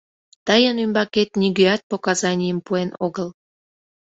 Тыйын ӱмбакет нигӧат показанийым пуэн огыл.